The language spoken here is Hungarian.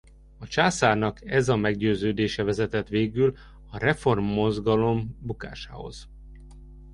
A császárnak ez a meggyőződése vezetett végül a reformmozgalom bukásához.